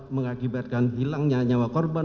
mengakibatkan hilangnya nyawa korban